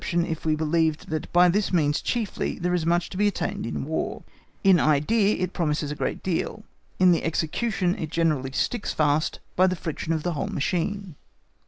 We should form an erroneous conception if we believed that by this means chiefly there is much to be attained in War. In idea it promises a great deal; in the execution it generally sticks fast by the friction of the whole machine.